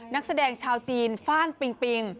นักแสดงชาวจีนฟ่านปิงปิง